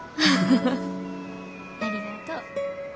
ありがとう。